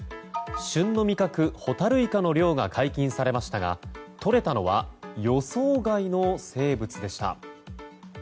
旬の味覚ホタルイカの漁が解禁されましたがとれたのは予想外の生物でした。